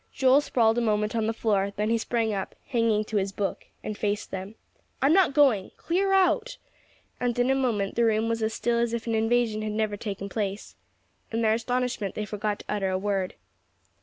Joel sprawled a moment on the floor; then he sprang up, hanging to his book, and faced them. "I'm not going. Clear out." And in a moment the room was as still as if an invasion had never taken place. In their astonishment they forgot to utter a word.